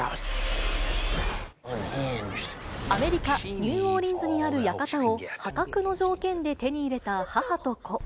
アメリカ・ニューオーリンズにある館を、破格の条件で手に入れた母と子。